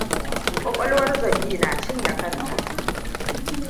Ƙwaƙwalwar Zombi na cinye kanta.